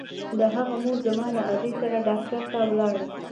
د هغه مور زما له ادې سره ډاکتر ته ولاړه.